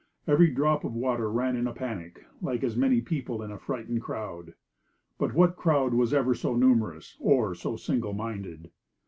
Every drop of water ran in a panic, like as many people in a frightened crowd. But what crowd was ever so numerous, or so single minded?